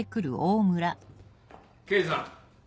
刑事さん。